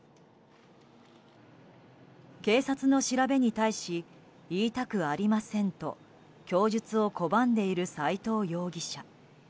警察の調べに対し言いたくありませんと供述を拒んでいる斎藤容疑者。